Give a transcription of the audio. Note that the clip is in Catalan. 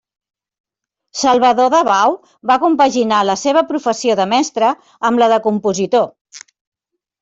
Salvador Dabau va compaginar la seva professió de mestre amb la de compositor.